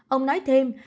ông nói thêm